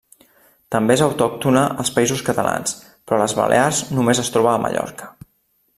També és autòctona als Països Catalans, però a les Balears només es troba a Mallorca.